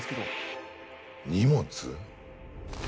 荷物？